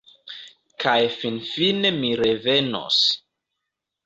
Kaj finfine mi revenos.